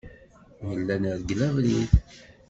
Nella nergel abrid.